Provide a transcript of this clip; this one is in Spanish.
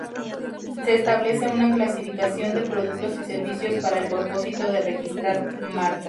Se establece una clasificación de productos y servicios para el propósito de registrar marcas.